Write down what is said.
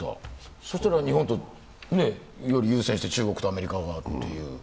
そうしたら、日本よりも優先して中国とアメリカがという。